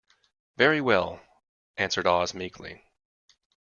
"Very well," answered Oz, meekly.